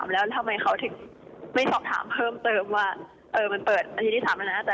แล้วทำไมเขาถึงไม่สอบถามเพิ่มเติมว่ามันเปิดบัญชีที่๓แล้ว